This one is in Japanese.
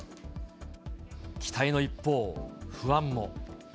期待の一方、不安も。